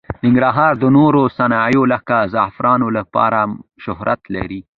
ننګرهار د درنو صنایعو لکه زعفرانو لپاره شهرت لري.